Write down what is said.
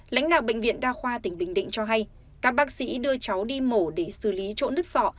lãnh đạo bệnh viện đa khoa tỉnh bình định cho hay các bác sĩ đưa cháu đi mổ để xử lý chỗ nứt sọ